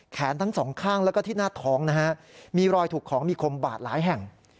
ทั้งสองข้างแล้วก็ที่หน้าท้องนะฮะมีรอยถูกของมีคมบาดหลายแห่ง